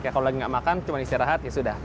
kalau lagi nggak makan cuma istirahat ya sudah